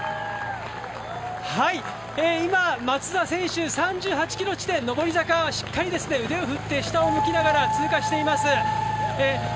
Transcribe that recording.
今、松田選手３８ｋｍ地点上り坂をしっかり腕を振って下を向きながら通過をしています。